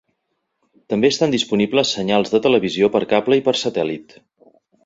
També estan disponibles senyals de televisió per cable i per satèl·lit.